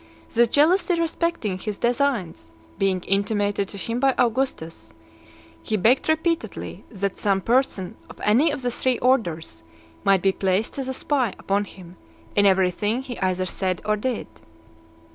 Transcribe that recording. This jealousy respecting his designs being intimated to him by Augustus, he begged repeatedly that some person of any of the three Orders might be placed as a spy upon him in every thing he either said or did.